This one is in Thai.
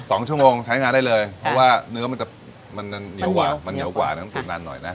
สองชั่วโมงใช้งานได้เลยเพราะว่าเนื้อมันจะมันเหนียวกว่ามันเหนียวกว่านั้นตุ๋นนานหน่อยนะ